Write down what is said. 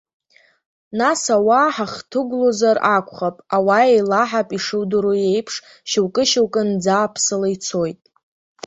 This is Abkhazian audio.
Нас ауаа ҳахҭыгәлозар акәхап, ауаа еилаҳап, ишудыруеиԥш, шьоукы-шьоукы нӡааԥсыла ицоит.